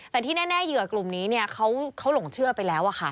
แต่ที่แน่เหยื่อกลุ่มนี้เขาหลงเชื่อไปแล้วค่ะ